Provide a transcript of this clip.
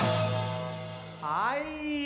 はい。